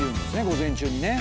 午前中にね。